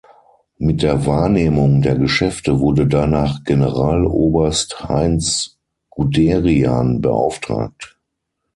Mit der Wahrnehmung der Geschäfte wurde danach Generaloberst Heinz Guderian beauftragt.